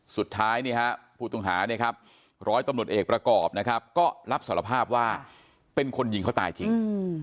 สุดท้ายผู้ต้องหาเนี่ยครับร้อยตำรวจเอกประกอบนะครับก็รับสารภาพว่าเป็นคนยิงเขาตายจริง